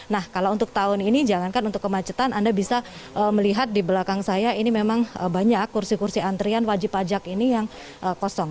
nah kalau untuk tahun ini jangankan untuk kemacetan anda bisa melihat di belakang saya ini memang banyak kursi kursi antrian wajib pajak ini yang kosong